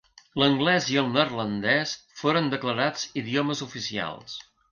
L'anglès i el neerlandès foren declarats idiomes oficials.